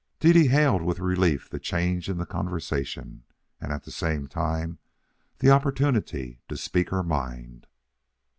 Dede hailed with relief the change in the conversation and at the same time the opportunity to speak her mind.